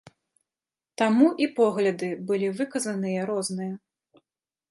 Таму і погляды былі выказаныя розныя.